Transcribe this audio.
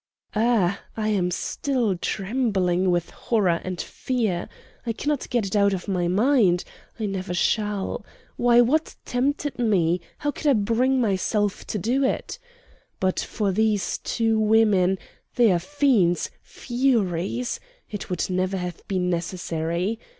"Ugh! I am still trembling with horror and fear. I cannot get it out of my mind; I never shall. Why, what tempted me? How could I bring myself to do it? "But for these two women they are fiends, furies it would never have been necessary.